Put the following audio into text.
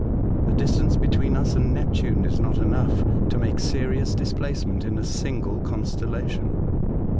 The distance between us and Neptune is not enough to make Tijcho Island. . 113 serious displacement in a single constellation.